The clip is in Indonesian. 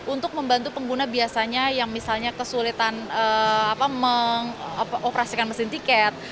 untuk membantu pengguna biasanya yang misalnya kesulitan mengoperasikan mesin tiket